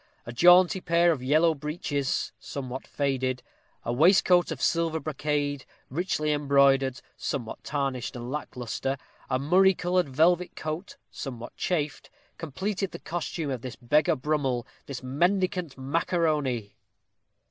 A jaunty pair of yellow breeches, somewhat faded; a waistcoat of silver brocade, richly embroidered, somewhat tarnished and lack lustre; a murrey colored velvet coat, somewhat chafed, completed the costume of this beggar Brummell, this mendicant macaroni!